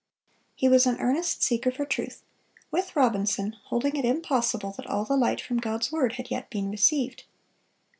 He was an earnest seeker for truth, with Robinson holding it impossible that all the light from God's word had yet been received.